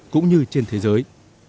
cũng như trên thế giới